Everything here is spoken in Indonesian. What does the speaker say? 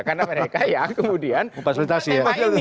karena mereka ya kemudian memfasilitasi ya